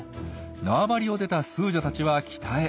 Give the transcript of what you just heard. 縄張りを出たスージャたちは北へ。